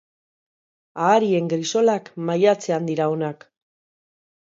Aharien grisolak maiatzean dira onak.